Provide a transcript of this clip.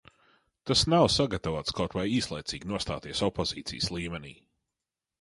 Tas nav sagatavots kaut vai īslaicīgi nostāties opozīcijas līmenī.